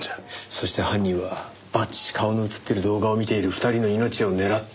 そして犯人はばっちし顔の映ってる動画を見ている２人の命を狙った！